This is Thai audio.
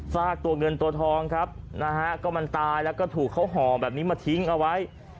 ซากตัวเงินตัวทองครับนะฮะก็มันตายแล้วก็ถูกเขาห่อแบบนี้มาทิ้งเอาไว้